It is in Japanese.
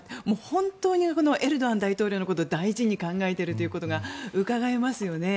本当にエルドアン大統領のこと大事に考えているということがうかがえますよね。